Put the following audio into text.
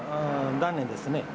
残念ですね。